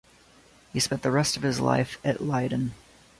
He spent the rest of his life at Leiden.